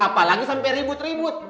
apalagi sampai ribut ribut